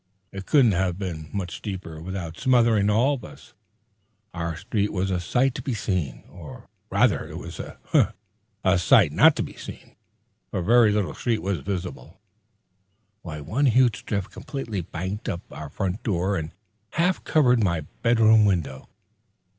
It couldn't have been much deeper without smothering us all. Our street was a sight to be seen, or, rather, it was a sight not to be seen; for very little street was visible. One huge drift completely banked up our front door and half covered my bedroom window.